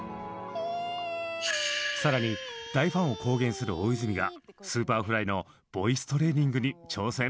更に大ファンを公言する大泉がＳｕｐｅｒｆｌｙのボイストレーニングに挑戦！